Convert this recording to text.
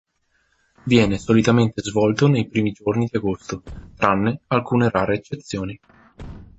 Viene solitamente svolto nei primi giorni di agosto, tranne alcune rare eccezioni.